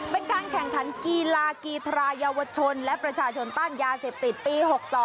เป็นการแข่งขันกีฬากีทราเยาวชนและประชาชนต้านยาเสพติดปี๖๒